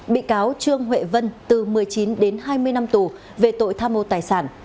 bị cáo trương huệ vân từ một mươi chín đến hai mươi năm tù về tội tham mô tài sản